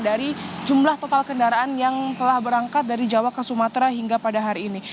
dari jumlah total kendaraan yang telah berangkat dari jawa ke sumatera hingga pada hari ini